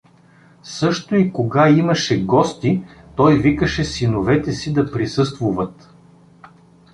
Също и кога имаше гости, той викаше синовете си да присъствуват.